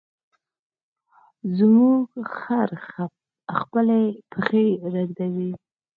زموږ خر خپلې پښې ږدوي.